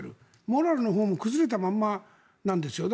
モラルのほうも崩れたままなんですよ。